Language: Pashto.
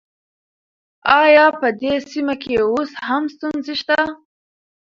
آيا په دې سيمه کې اوس هم ستونزې شته؟